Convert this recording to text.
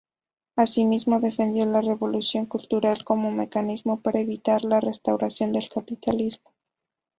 Asimismo, defendió la Revolución Cultural como mecanismo para evitar la restauración del capitalismo.